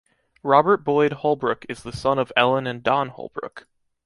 Robert Boyd Holbrook is the son of Ellen and Don Holbrook.